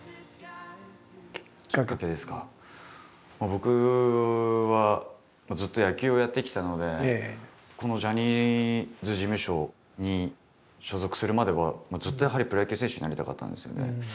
僕はずっと野球をやってきたのでこのジャニーズ事務所に所属するまではずっとやはりプロ野球選手になりたかったんですよね。